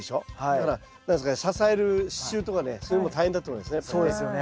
だから何ですかね支える支柱とかねそういうのも大変だと思いますね。